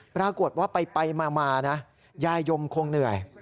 ปรากฏว่าไปมานะยายยมคงเหนื่อย